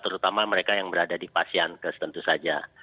terutama mereka yang berada di pasien tentu saja